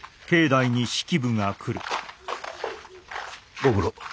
ご苦労。